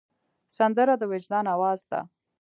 سندره د وجدان آواز ده